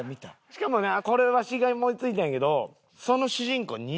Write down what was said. しかもなこれわしが思いついたんやけど。